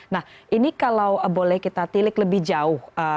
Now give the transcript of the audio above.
nah ini kalau boleh kita tilik lebih jauh